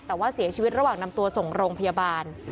แต่ว่าเสียชีวิตระหว่างนำตัวส่งโรงพยาบาล